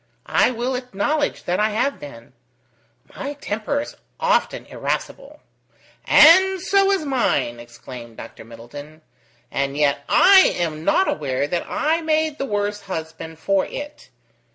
I will acknowledge that I have been. My temper is often irascible." "And so is mine!" exclaimed Dr. Middleton. "And yet I am not aware that I made the worse husband for it.